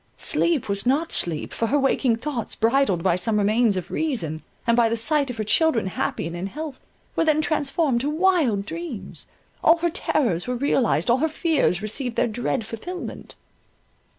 Sleep was not sleep, for her waking thoughts, bridled by some remains of reason, and by the sight of her children happy and in health, were then transformed to wild dreams, all her terrors were realized, all her fears received their dread fulfilment.